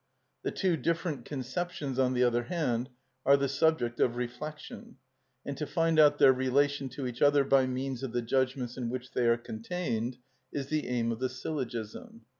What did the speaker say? The two different conceptions, on the other hand, are the subject of reflection, and to find out their relation to each other by means of the judgments in which they are contained is the aim of the syllogism.